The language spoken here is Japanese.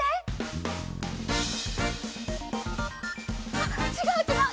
あっちがうちがう！